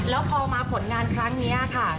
แล้วพอมาผลงานครั้งนี้ค่ะ